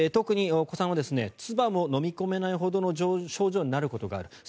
特にお子さんはつばも飲み込めないほどの症状になることがある。